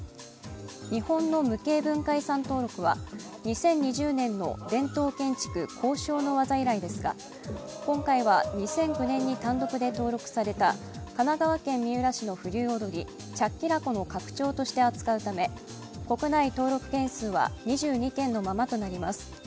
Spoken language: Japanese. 日本の無形文化遺産登録は２０２０年の伝統建築工匠の技以来ですが今回は２００９年に単独で登録された神奈川県三浦市の風流踊チャッキラコの拡張として扱うため国内登録件数は２２件のままとなります。